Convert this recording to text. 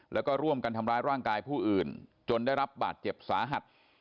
แล้วก็ร่วมกันทำร้ายร่างกายผู้อื่นจนได้รับบาดเจ็บสาหัส